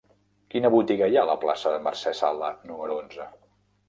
Quina botiga hi ha a la plaça de Mercè Sala número onze?